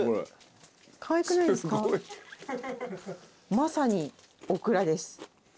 まさにオクラです。